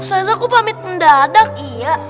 ustadz ustadz aku pamit mendadak iya